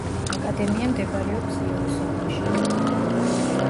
აკადემია მდებარეობს იერუსალიმში.